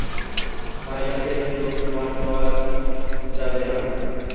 পাইলটের চোখ খারাপ হওয়া যাবে না!